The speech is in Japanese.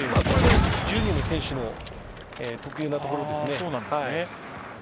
これが１２の選手の特有なところですね。